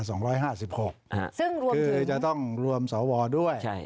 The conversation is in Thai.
ซึ่งรวมคือจะต้องรวมสวด้วย